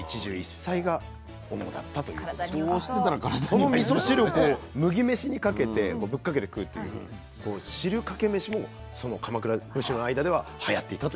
そのみそ汁を麦飯にかけてぶっかけて食うっていう汁かけ飯もその鎌倉武士の間でははやっていたという。